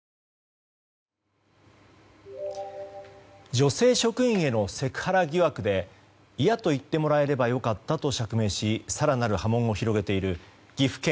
女性職員へのセクハラ疑惑で嫌と言ってもらえればよかったと釈明し更なる波紋を広げている岐阜県